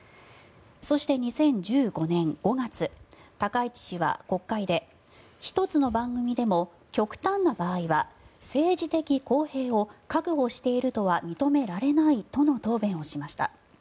そして、２０１５年５月高市氏は国会で１つの番組でも極端な場合は政治的公平を確保しているとは認められないとの答弁をしました。